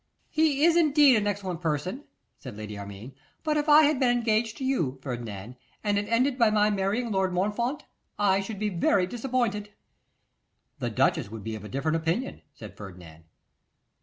'He is indeed an excellent person,' said Lady Armine; 'but if I had been engaged to you, Ferdinand, and it ended by my marrying Lord Montfort, I should be very disappointed.' 'The duchess would be of a different opinion,' said Ferdinand.